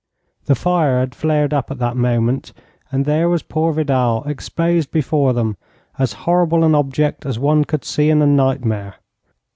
The fire had flared up at that moment, and there was poor Vidal exposed before them, as horrible an object as one could see in a nightmare.